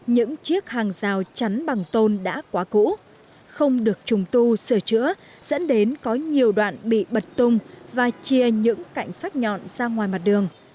những chiếc hàng rào chắn bằng tôn đã quá cũ không được trùng tu sửa chữa dẫn đến có nhiều đoạn bị bật tung và chia những cạnh sắc nhọn ra ngoài mặt đường